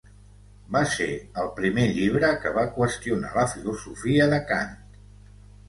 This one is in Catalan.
Va ser el primer llibre que va qüestionar la filosofia de Kant.